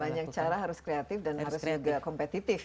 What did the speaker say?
banyak cara harus kreatif dan harus juga kompetitif